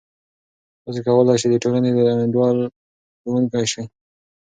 تاسې کولای سئ د ټولنې د انډول ښوونکی سئ.